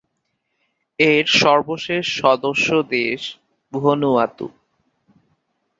এর সর্বশেষ সদস্য দেশ ভানুয়াতু।